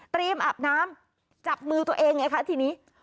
อาบน้ำจับมือตัวเองไงคะทีนี้